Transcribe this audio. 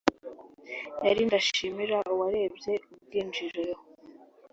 yari ndashimira uwarebye ubwinjiriro